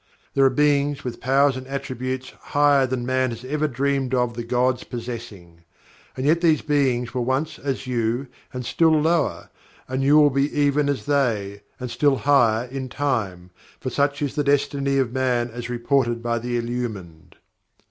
There are beings with powers and attributes higher than Man has ever dreamed of the gods' possessing. And yet these beings were once as you, and still lower and you will be even as they, and still higher, in time, for such is the Destiny of Man as reported by the Illumined.